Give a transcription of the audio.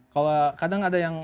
kalau kadang ada yang